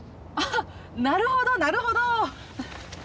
あっなるほどなるほど。